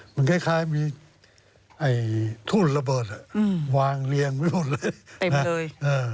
มันคล้ายมีทุ่นระเบิดวางเรียงไม่หมดเลย